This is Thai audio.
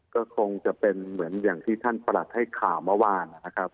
ก็คงจะเป็นเหมือนอย่างที่ท่านประหลัดให้ข่าวเมื่อวานนะครับ